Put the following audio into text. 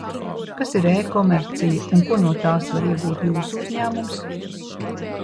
Kas ir e-komercija un ko no tās var iegūt Jūsu uzņēmums?